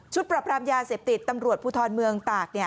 ปรับรามยาเสพติดตำรวจภูทรเมืองตาก